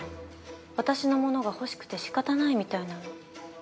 私のものが欲しくて仕方ないみたいなの。